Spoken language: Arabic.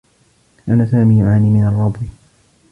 كان سامي يعاني من الرّبو.